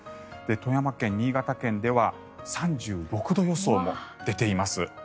富山県、新潟県では３６度予想も出ています。